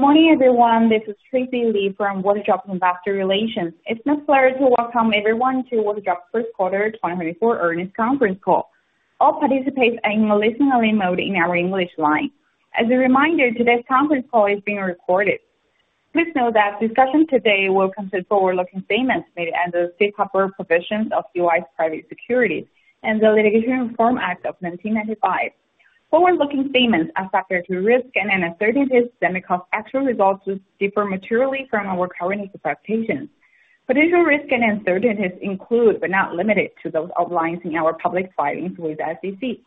Good morning, everyone. This is Tracy Lee from Waterdrop Investor Relations. It's my pleasure to welcome everyone to Waterdrop's first quarter 2024 earnings conference call. All participants are in listening mode on our English line. As a reminder, today's conference call is being recorded. Please note that discussion today will contain forward-looking statements made under safe harbor provisions of the U.S. Private Securities Litigation Reform Act of 1995. Forward-looking statements are subject to risks and uncertainties, and actual results will differ materially from our current expectations. Potential risks and uncertainties include, but are not limited to, those outlined in our public filings with the SEC.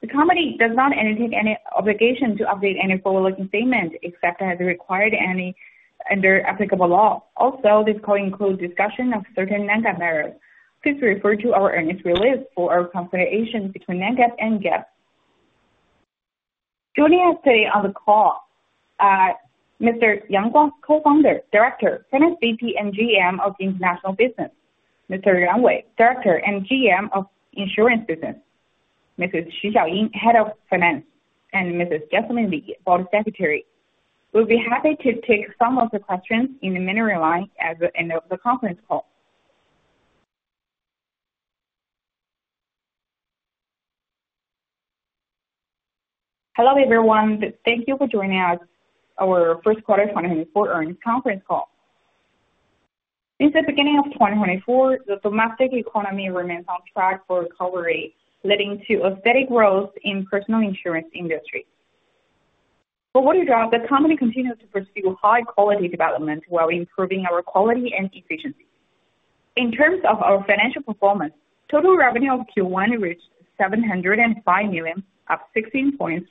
The company does not undertake any obligation to update any forward-looking statements, except as required under applicable law. Also, this call includes discussion of certain non-GAAP measures. Please refer to our earnings release for our reconciliation between GAAP and non-GAAP. Joining us today on the call, Mr. Yang Guang, Co-founder, Director, Finance VP, and GM of International Business. Mr. Yang Wei, Director and GM of Insurance Business. Mrs. Xu Xiaoying, Head of Finance, and Mrs. Jocelyn Li, Board Secretary. We'll be happy to take some of the questions on the main line at the end of the conference call. Hello, everyone. Thank you for joining us, our first quarter 2024 earnings conference call. Since the beginning of 2024, the domestic economy remains on track for recovery, leading to a steady growth in personal insurance industry. For Waterdrop, the company continues to pursue high quality development while improving our quality and efficiency. In terms of our financial performance, total revenue of Q1 reached 705 million, up 16.3%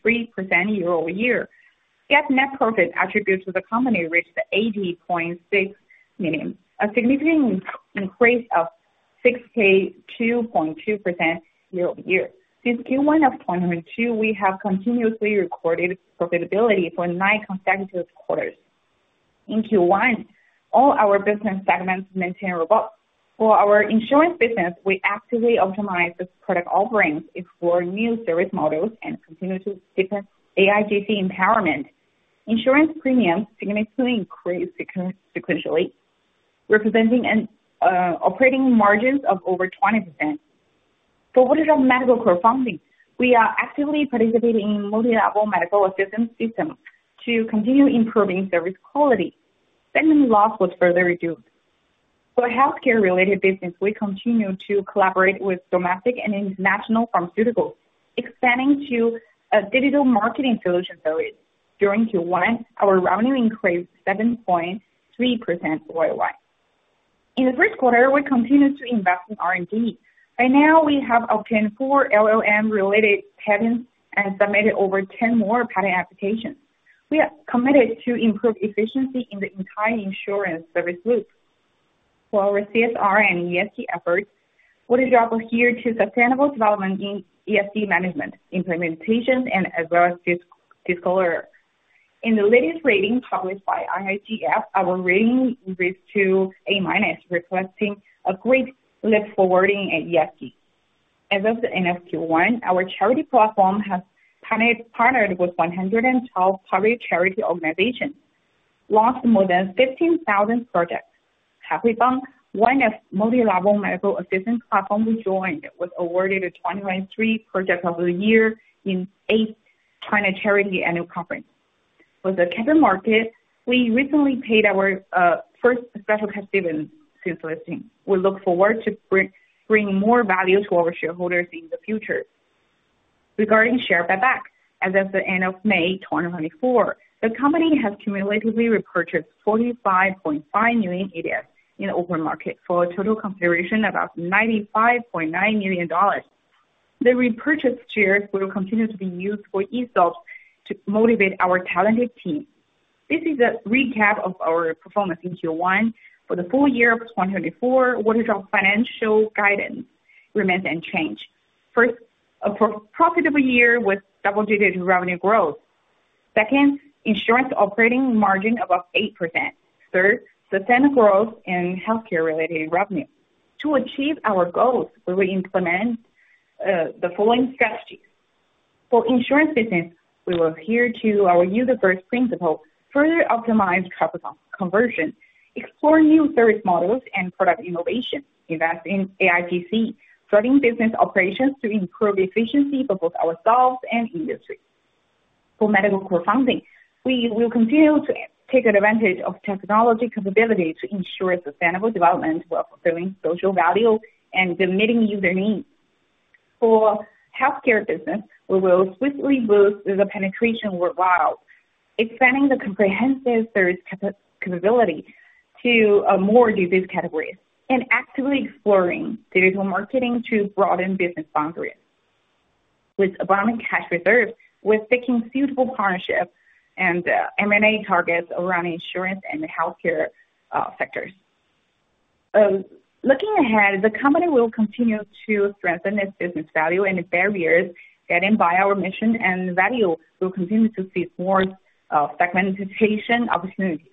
year-over-year. Yet net profit attributed to the company reached 80.6 million, a significant increase of 62.2% year-over-year. Since Q1 of 2022, we have continuously recorded profitability for 9 consecutive quarters. In Q1, all our business segments maintained robust. For our insurance business, we actively optimize the product offerings, explore new service models, and continue to deepen AIGC empowerment. Insurance premiums significantly increased sequentially, representing an operating margins of over 20%. For Waterdrop medical crowdfunding, we are actively participating in multi-level medical assistance system to continue improving service quality. Spending loss was further reduced. For healthcare-related business, we continue to collaborate with domestic and international pharmaceuticals, expanding to a digital marketing solution service. During Q1, our revenue increased 7.3% YOY. In the first quarter, we continued to invest in R&D. By now, we have obtained 4 LLM-related patents and submitted over 10 more patent applications. We are committed to improving efficiency in the entire insurance service loop. For our CSR and ESG efforts, Waterdrop adheres to sustainable development in ESG management, implementation, and as well as disclosure. In the latest rating published by IIGF, our rating increased to A-minus, reflecting a great leap forward in ESG. As of the end of Q1, our charity platform has partnered with 112 public charity organizations, launched more than 15,000 projects. One of multi-level medical assistance platform we joined was awarded a 2023 Project of the Year in 8th China Charity Annual Conference. With the capital market, we recently paid our first special cash dividend since listing. We look forward to bringing more value to our shareholders in the future. Regarding share buyback, as of the end of May 2024, the company has cumulatively repurchased 45.5 million ADS in the open market for a total consideration of about $95.9 million. The repurchased shares will continue to be used for ESOPs to motivate our talented team. This is a recap of our performance in Q1. For the full year of 2024, Waterdrop financial guidance remains unchanged. First, a profitable year with double-digit revenue growth. Second, insurance operating margin above 8%. Third, sustainable growth in healthcare-related revenue. To achieve our goals, we will implement the following strategies. For insurance business, we will adhere to our user-first principle, further optimize traffic conversion, explore new service models and product innovation, invest in AIGC starting business operations to improve efficiency for both ourselves and industry. For medical crowdfunding, we will continue to take advantage of technology capability to ensure sustainable development while fulfilling social value and meeting user needs. For healthcare business, we will swiftly boost the penetration worldwide, expanding the comprehensive service capability to more disease categories, and actively exploring digital marketing to broaden business boundaries. With abundant cash reserves, we're seeking suitable partnerships and M&A targets around insurance and healthcare sectors. Looking ahead, the company will continue to strengthen its business value and barriers, guided by our mission and value will continue to see more segmentization opportunities.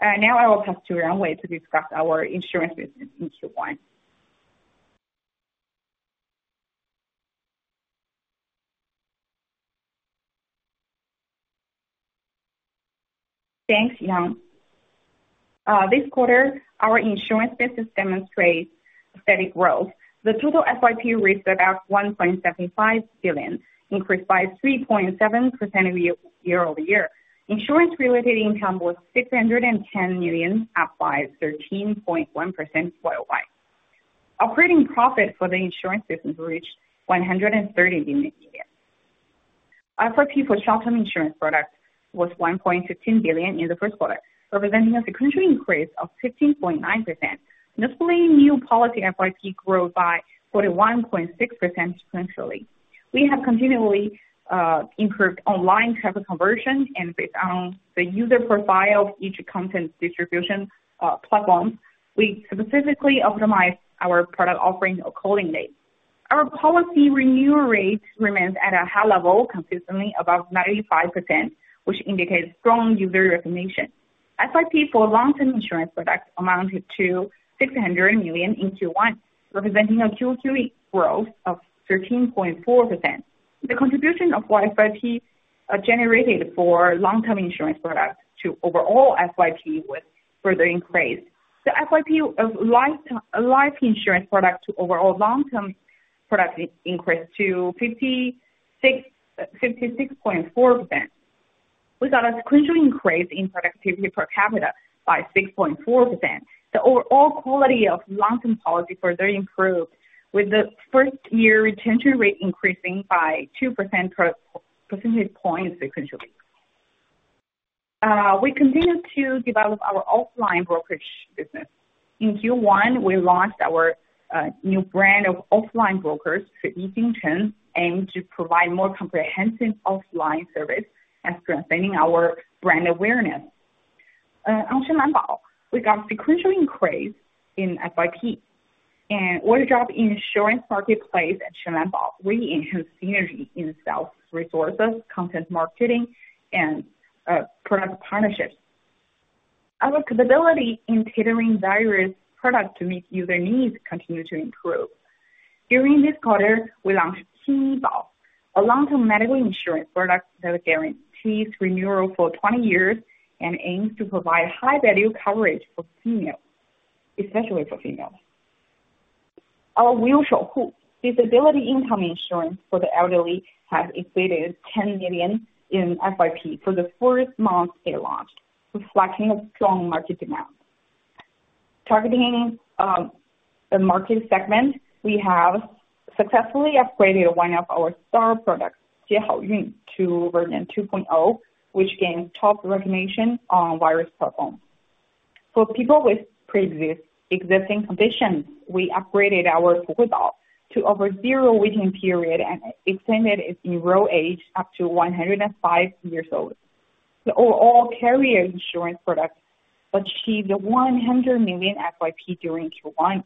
Now I will pass to Yang Wei to discuss our insurance business in Q1.... Thanks, Yang. This quarter, our insurance business demonstrates steady growth. The total FYP reached about 1.75 billion, increased by 3.7% year-over-year. Insurance-related income was 610 million, up by 13.1% YOY. Operating profit for the insurance business reached 130 million. FYP for short-term insurance products was 1.15 billion in the first quarter, representing a sequential increase of 15.9%. Mostly new policy FYP grew by 41.6% sequentially. We have continually improved online traffic conversion and based on the user profile of each content distribution platform, we specifically optimize our product offering according to data. Our policy renewal rate remains at a high level, consistently above 95%, which indicates strong user recognition. FYP for long-term insurance products amounted to 600 million in Q1, representing a QOQ growth of 13.4%. The contribution of YFYP generated for long-term insurance products to overall FYP was further increased. The FYP of life, life insurance product to overall long-term product increased to 56.4%. We got a sequential increase in productivity per capita by 6.4%. The overall quality of long-term policy further improved, with the first year retention rate increasing by 2% per percentage point sequentially. We continue to develop our offline brokerage business. In Q1, we launched our new brand of offline brokers to Yixing Town, aimed to provide more comprehensive offline service and strengthening our brand awareness. On Shenlanbao, we got sequential increase in FYP and order job in insurance marketplace at Shenlanbao. We enhanced synergy in sales resources, content marketing and product partnerships. Our capability in tailoring various products to meet user needs continue to improve. During this quarter, we launched Xinyibao, a long-term medical insurance product that guarantees renewal for 20 years and aims to provide high value coverage for females, especially for females. Our Weishouhu, disability income insurance for the elderly, has exceeded 10 million in FYP for the first month it launched, reflecting a strong market demand. Targeting the market segment, we have successfully upgraded one of our star products, Jiehaoyun, to version 2.0, which gained top recognition on various platforms. For people with pre-existing conditions, we upgraded our Waterdrop Blue Ocean to offer zero waiting period and extended its enrollment age up to 105 years old. The overall carrier insurance product achieved 100 million FYP during Q1,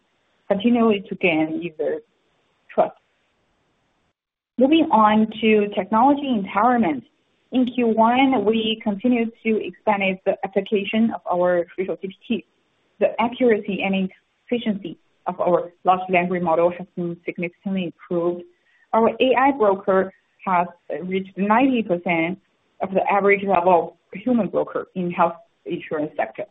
continuing to gain user trust. Moving on to technology empowerment. In Q1, we continued to expand the application of our AIGC. The accuracy and efficiency of our large language model has been significantly improved. Our AI Broker has reached 90% of the average level of human broker in health insurance sector,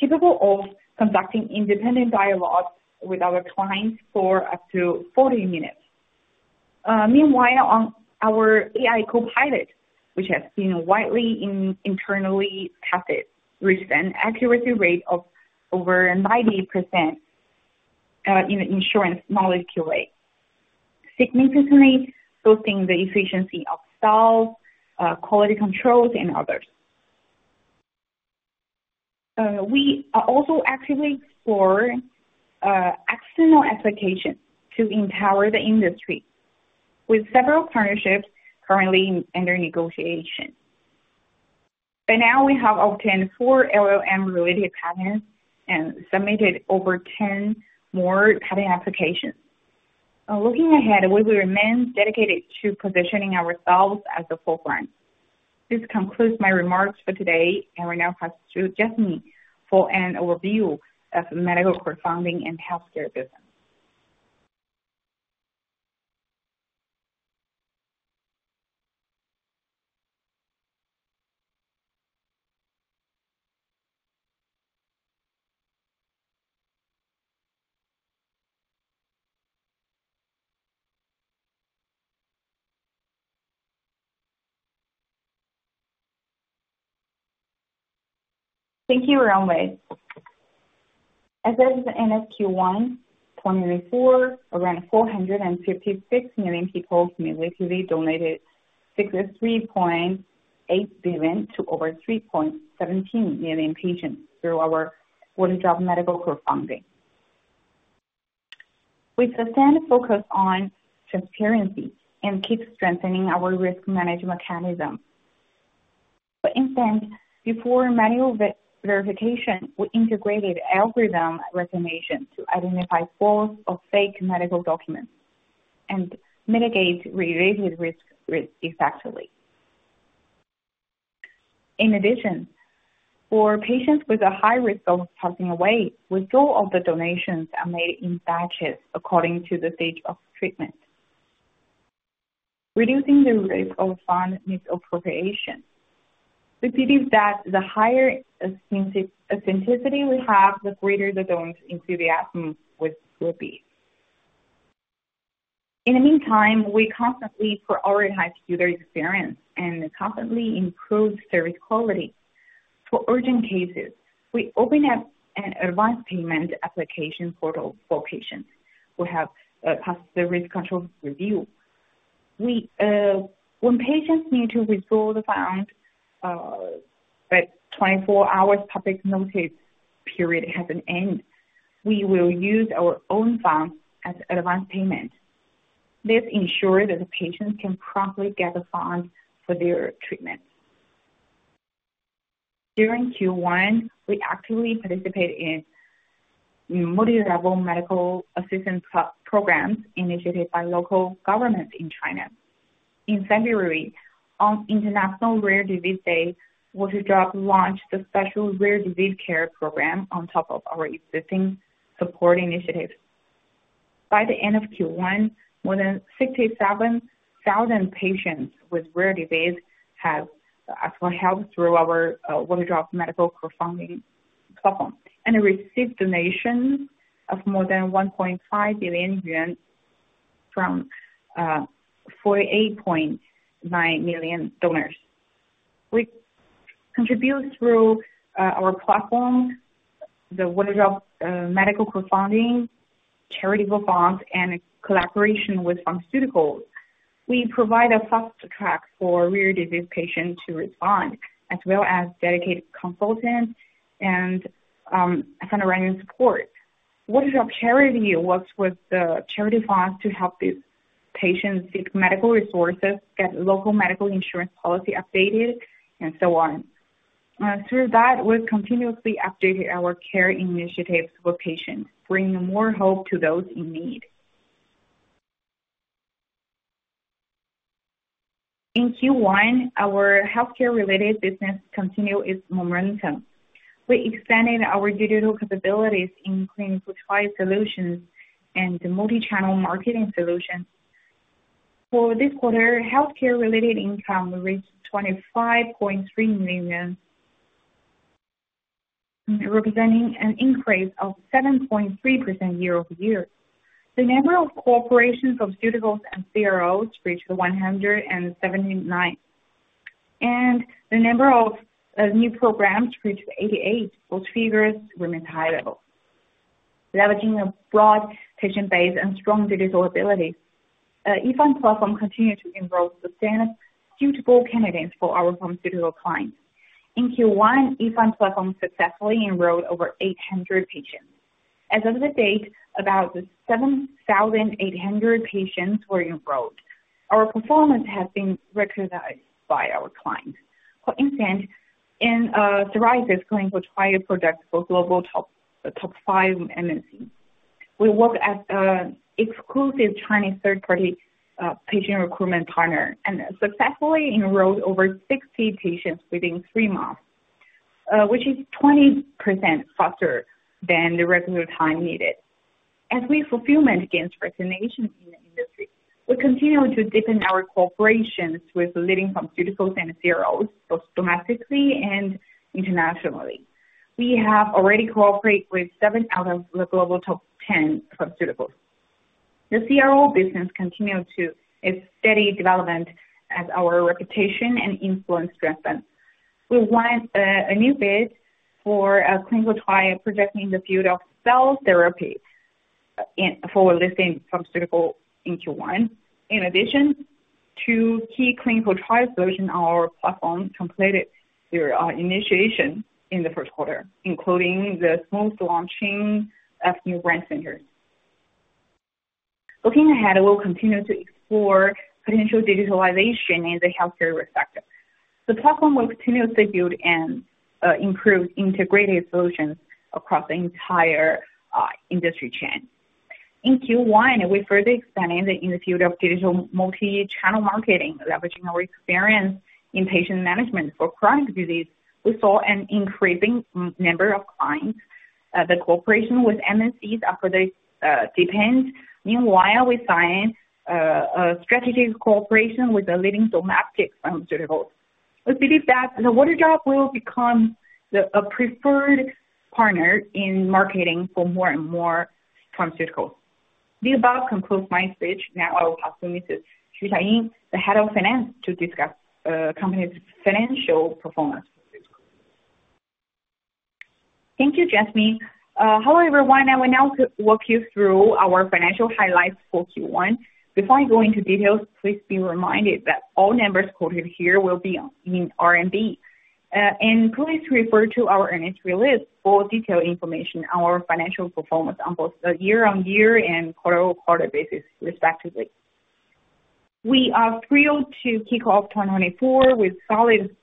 capable of conducting independent dialogues with our clients for up to 40 minutes. Meanwhile, on our AI Copilot, which has been widely internally tested, reached an accuracy rate of over 90%, in insurance model, significantly boosting the efficiency of sales, quality controls, and others. We are also actively explore external applications to empower the industry with several partnerships currently under negotiation. By now, we have obtained 4 LLM-related patents and submitted over 10 more patent applications. Looking ahead, we will remain dedicated to positioning ourselves at the forefront. This concludes my remarks for today, and we now pass to Jesse for an overview of medical crowdfunding and healthcare business. Thank you, Rongwei. As of the end of Q1 2024, around 456 million people cumulatively donated 63.8 billion to over 3.17 million patients through our Waterdrop Medical Crowdfunding. We sustain a focus on transparency and keep strengthening our risk management mechanism. For instance, before manual verification, we integrated algorithm recognition to identify false or fake medical documents and mitigate related risk effectively. In addition, for patients with a high risk of passing away, withdrawal of the donations are made in batches according to the stage of treatment, reducing the risk of fund misappropriation. We believe that the higher authenticity we have, the greater the donor's enthusiasm will be. In the meantime, we constantly prioritize user experience and constantly improve service quality. For urgent cases, we open up an advanced payment application portal for patients who have passed the risk control review. We, when patients need to withdraw the funds, but 24-hour public notice period hasn't ended, we will use our own funds as advanced payment. This ensures that the patients can promptly get the funds for their treatment. During Q1, we actively participate in multi-level medical assistance programs initiated by local governments in China. In February, on International Rare Disease Day, Waterdrop launched the special rare disease care program on top of our existing support initiatives. By the end of Q1, more than 67,000 patients with rare disease have actual help through our Waterdrop Medical Crowdfunding platform, and received donations of more than 1.5 billion yuan from 48.9 million donors. We contribute through our platform, the Waterdrop Medical Crowdfunding, charitable funds, and collaboration with pharmaceuticals. We provide a fast track for rare disease patients to respond, as well as dedicated consultants and fundraising support. Waterdrop Charity works with the charity funds to help these patients seek medical resources, get local medical insurance policy updated, and so on. Through that, we've continuously updated our care initiatives for patients, bringing more hope to those in need. In Q1, our healthcare-related business continued its momentum. We expanded our digital capabilities in clinical trial solutions and multi-channel marketing solutions. For this quarter, healthcare-related income reached 25.3 million, representing an increase of 7.3% year-over-year. The number of corporations, pharmaceuticals, and CROs reached 179, and the number of new programs reached 88. Both figures remain high level. Leveraging a broad patient base and strong digital ability, Yifan platform continued to enroll sustainable suitable candidates for our pharmaceutical clients. In Q1, Yifan platform successfully enrolled over 800 patients. As of the date, about 7,800 patients were enrolled. Our performance has been recognized by our clients. For instance, in psoriasis clinical trial products for global top five MNC. We work as an exclusive Chinese third party patient recruitment partner and successfully enrolled over 60 patients within three months, which is 20% faster than the regular time needed. As our fulfillment gains recognition in the industry, we continue to deepen our collaborations with leading pharmaceuticals and CROs, both domestically and internationally. We have already cooperated with 7 out of the global top 10 pharmaceuticals. The CRO business continued its steady development as our reputation and influence strengthen. We won a new bid for a clinical trial project in the field of cell therapy for listed pharmaceuticals in Q1. In addition, two key clinical trials using our platform completed their initiation in the first quarter, including the smooth launching of new brand centers. Looking ahead, we'll continue to explore potential digitalization in the healthcare sector. The platform will continuously build and improve integrated solutions across the entire industry chain. In Q1, we further expanded in the field of digital multi-channel marketing, leveraging our experience in patient management for chronic disease. We saw an increasing number of clients. The cooperation with MNCs has further deepened. Meanwhile, we signed a strategic cooperation with the leading domestic pharmaceuticals. We believe that Waterdrop will become a preferred partner in marketing for more and more pharmaceuticals. The above concludes my speech. Now I will pass over to Xiaoying Xu, the Head of Finance, to discuss company's financial performance. Thank you, Jasmine. Hello, everyone. I will now walk you through our financial highlights for Q1. Before I go into details, please be reminded that all numbers quoted here will be in RMB. And please refer to our earnings release for detailed information on our financial performance on both a year-on-year and quarter-on-quarter basis, respectively. We are thrilled to kick off 2024 with solid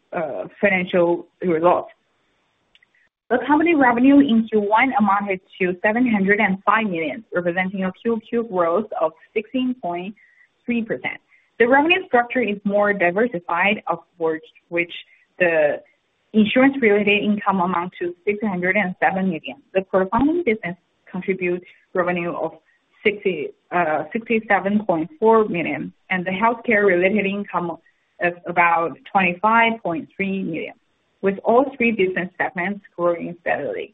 financial results. The company revenue in Q1 amounted to 705 million, representing a QOQ growth of 16.3%. The revenue structure is more diversified, of which the insurance related income amount to 607 million. The performing business contributes revenue of 67.4 million, and the healthcare related income of about 25.3 million, with all three business segments growing steadily.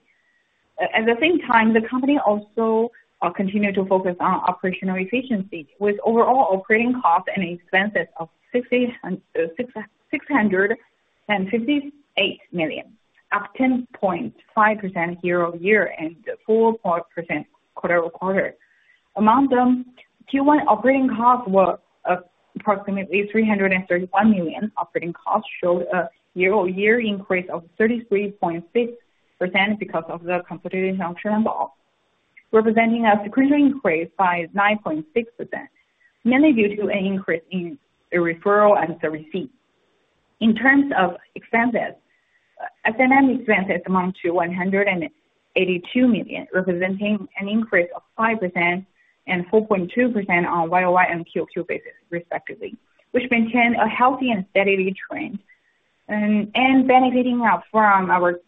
At the same time, the company also continued to focus on operational efficiency, with overall operating costs and expenses of 658 million, up 10.5% year-over-year and 4% quarter-over-quarter. Among them, Q1 operating costs were approximately 331 million. Operating costs showed a year-over-year increase of 33.6% because of the consolidated functional involved, representing a sequential increase by 9.6%, mainly due to an increase in the referral and the receipt. In terms of expenses, S&M expenses amount to 182 million, representing an increase of 5% and 4.2% on YOY and QOQ basis, respectively, which maintained a healthy and steady trend, and benefiting from our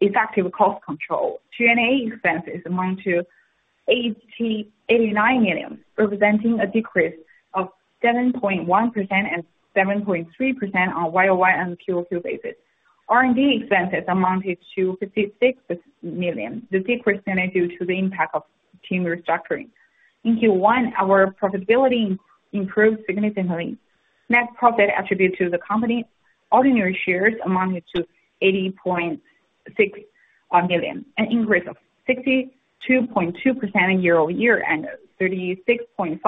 effective cost control. G&A expenses amount to 89 million, representing a decrease of 7.1% and 7.3% on YOY and QOQ basis. R&D expenses amounted to 56 million. The decrease is due to the impact of team restructuring. In Q1, our profitability improved significantly. Net profit attributable to the company ordinary shares amounted to 80.6 million, an increase of 62.2% year-over-year and 36.5%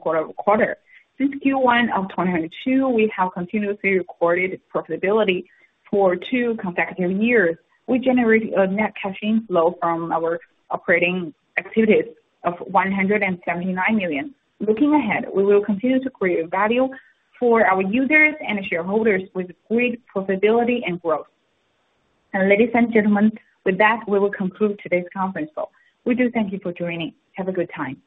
quarter-over-quarter. Since Q1 of 2022, we have continuously recorded profitability for two consecutive years. We generated a net cash flow from our operating activities of $179 million. Looking ahead, we will continue to create value for our users and shareholders with great profitability and growth. And ladies and gentlemen, with that, we will conclude today's conference call. We do thank you for joining. Have a good time.